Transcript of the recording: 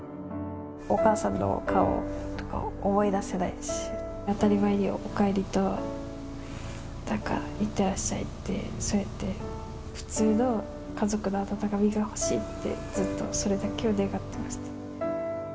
お母さんの顔とかを思い出せないし、当たり前におかえりとなんかいってらっしゃいって、そうやって、普通の家族の温かみが欲しいって、ずっとそれだけを願ってました。